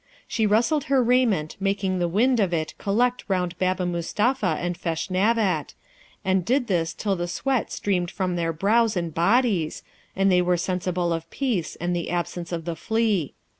She rustled her raiment, making the wind of it collect round Baba Mustapha and Feshnavat, and did this till the sweat streamed from their brows and bodies, and they were sensible of peace and the absence of the flea.